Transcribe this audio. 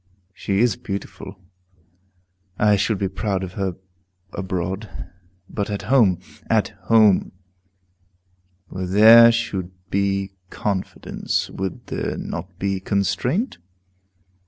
She is beautiful; I should be proud of her abroad. But at home, at home, where there should be confidence, would there not be constraint?